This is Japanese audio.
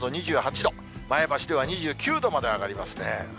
前橋では２９度まで上がりますね。